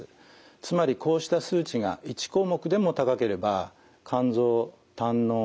つまりこうした数値が１項目でも高ければ肝臓胆のう